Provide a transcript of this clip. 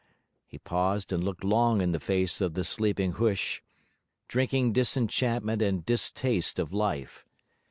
He paused and looked long in the face of the sleeping Huish, drinking disenchantment and distaste of life.